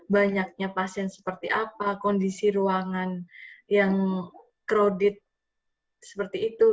banyaknya pasien seperti apa kondisi ruangan yang kredit seperti itu